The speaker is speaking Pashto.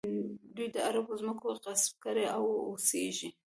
دوی د عربو ځمکې غصب کړي او اوسېږي.